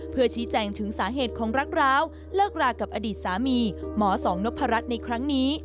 เพื่อชี้แจงถึงสาเหตุของรักร้าวเลิกรากับอดีตสามีหมอสองนพรัชในครั้งนี้